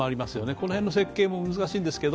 この辺の設計も難しいんですけど